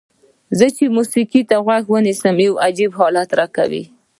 زه چې موسیقۍ ته غوږ نیسم یو عجیب حالت راکوي.